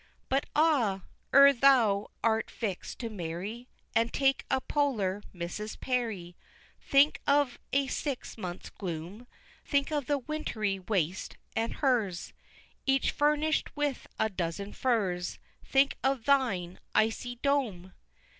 XVI. But ah, ere thou art fixed to marry, And take a polar Mrs. Parry, Think of a six months' gloom Think of the wintry waste, and hers, Each furnish'd with a dozen furs, Think of thine icy dome!